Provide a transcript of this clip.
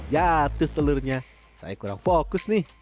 jatuh telurnya saya kurang fokus nih